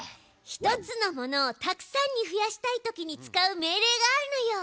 １つのものをたくさんに増やしたいときに使う命令があるのよ。